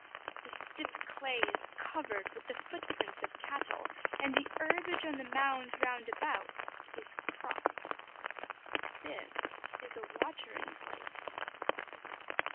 The stiff clay is covered with the foot prints of cattle, and the herbage on the mounds round about is cropped. This is a watering place.